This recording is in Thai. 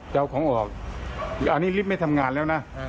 จะเอาของออกอันนี้ลิฟต์ไม่ทำงานแล้วนะ